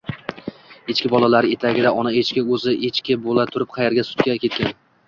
Echki bolalari ertagida, ona echki o'zi echki bo'la turib qayerga sutga ketgan??